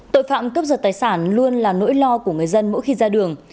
tội phạm cướp giật tài sản luôn là nỗi lo của người dân mỗi khi ra đường